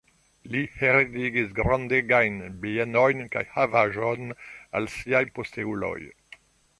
Li heredigis grandegajn bienojn kaj havaĵon al siaj posteuloj.